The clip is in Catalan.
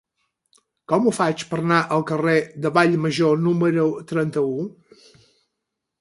Com ho faig per anar al carrer de Vallmajor número trenta-u?